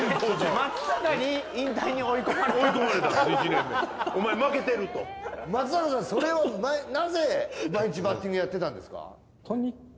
松坂さんそれをなぜ毎日バッティングやってたんですか？